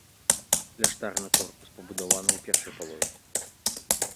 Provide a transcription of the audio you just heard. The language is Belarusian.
Кляштарны корпус пабудаваны ў першай пал.